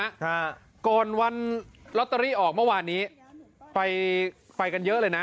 ฮะก่อนวันลอตเตอรี่ออกเมื่อวานนี้ไปไปกันเยอะเลยนะ